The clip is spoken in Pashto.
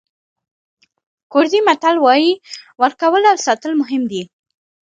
کوردي متل وایي ورکول او ساتل مهم دي.